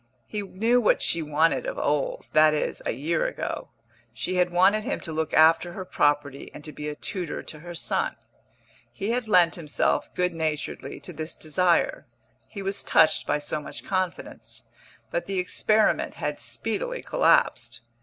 He knew what she wanted of old that is, a year ago; she had wanted him to look after her property and to be tutor to her son. He had lent himself, good naturedly, to this desire he was touched by so much confidence but the experiment had speedily collapsed.